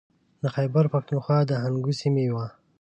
د خیبر پښتونخوا د هنګو سیمې و.